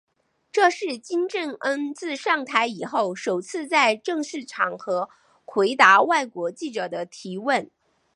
这是金正恩自上台以后首次在正式场合回答外国记者的提问。